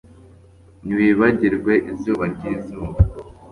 Ntiwibagirwe izuba ryizuba